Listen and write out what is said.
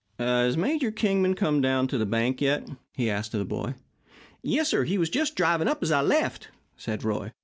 "Has Major Kingman come down to the bank yet?" he asked of the boy. "Yes, sir, he was just driving up as I left," said Roy.